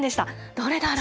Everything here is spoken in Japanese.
どれだろう？